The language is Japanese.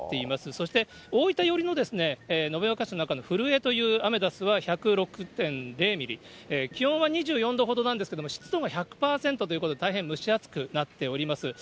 そして大分寄りの延岡市の中のふるえというアメダスは１０６．０ミリ、気温は２４度ほどなんですが、湿度が１００％ということで、大変蒸し暑くなっております。